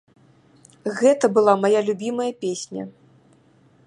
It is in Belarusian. Гэта была мая любімая песня.